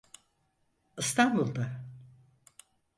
İstanbul'da.